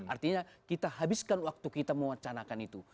artinya kita habiskan waktu kita mewacanakan itu